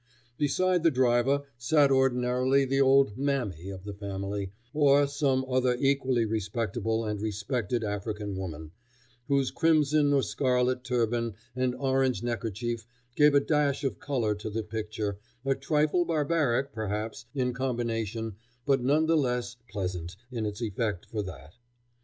Beside the driver sat ordinarily the old "mammy" of the family, or some other equally respectable and respected African woman, whose crimson or scarlet turban and orange neckerchief gave a dash of color to the picture, a trifle barbaric, perhaps, in combination, but none the less pleasant in its effect for that.